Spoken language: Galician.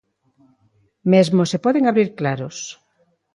Mesmo se poden abrir claros.